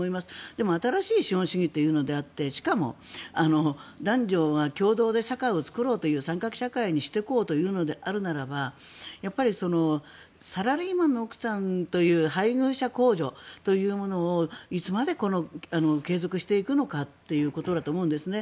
でも新しい資本主義というのであってしかも男女が共同で社会を作ろうという参画社会にしていこうというのであればサラリーマンの奥さんという配偶者控除というものをいつまで継続していくのかということだと思うんですね。